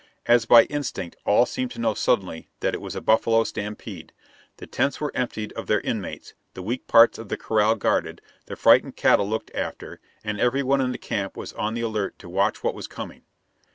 As by instinct all seemed to know suddenly that it was a buffalo stampede. The tents were emptied of their inmates, the weak parts of the corral guarded, the frightened cattle looked after, and every one in the camp was on the alert to watch what was coming.